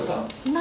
何？